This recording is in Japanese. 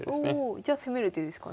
じゃ攻める手ですかね次。